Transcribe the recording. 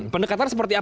pendekatan seperti apa